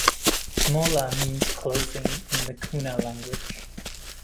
"Mola" means "clothing" in the Kuna language.